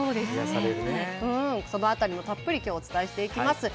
その辺りもたっぷりお伝えします。